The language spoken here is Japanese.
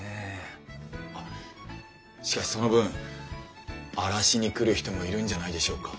あっしかしその分荒らしに来る人もいるんじゃないでしょうか？